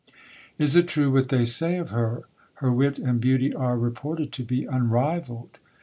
Is it true what they say of her ? Her wit and beauty are reported to be unrivalled.